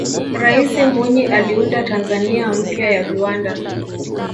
raisi mwinyi aliunda tanzania mpya ya viwanda